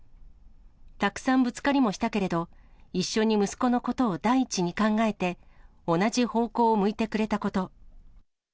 たくさんぶつかりもしたけれど、一緒に息子のことを第一に考えて、同じ方向を向いてくれたこと。